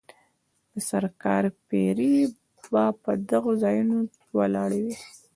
د سرکار پیرې به په دغو ځایونو ولاړې وې.